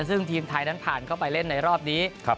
ซึ่งทีมไทยนั้นผ่านเข้าไปเล่นในรอบนี้